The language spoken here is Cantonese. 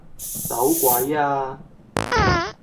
走鬼吖